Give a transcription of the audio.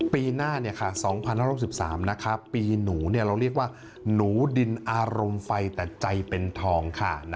ปีหน้า๒๑๖๓ปีหนูเราเรียกว่าหนูดินอารมณ์ไฟแต่ใจเป็นทองค่ะ